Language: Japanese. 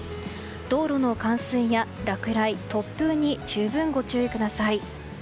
道路の冠水や落雷、突風に十分ご注意ください。